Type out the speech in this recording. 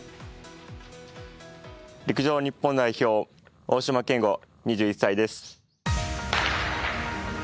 陸上日本代表大島健吾、２１歳です。